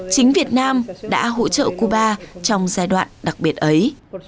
chính việt nam đã hỗ trợ cuba trong giai đoạn đặc biệt ấy